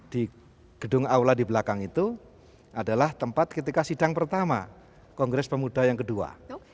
di gedung aula di belakang itu adalah tempat ketika sidang pertama kongres pemuda yang kedua